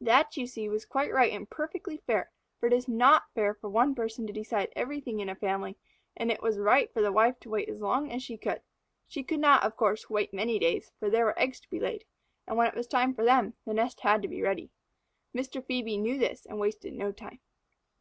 That, you see, was quite right and perfectly fair, for it is not fair for one person to decide everything in a family, and it was right for the wife to wait as long as she could. She could not, of course, wait many days, for there were eggs to be laid, and when it was time for them, the nest had to be ready. Mr. Phœbe knew this and wasted no time.